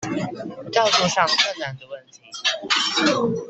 調度上困難的問題